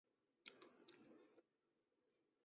股票市场是股票发行和交易的场所。